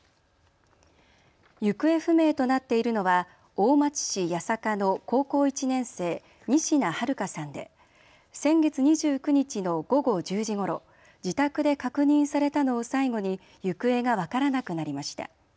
行方不明となっているのは大町市八坂の高校１年生、仁科日花さんで先月２９日の午後１０時ごろ、自宅で確認されたのを最後に行方が分からなくなりました。